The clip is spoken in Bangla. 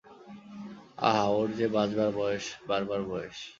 আহা, ওর যে বাঁচবার বয়েস, বাড়বার বয়েস।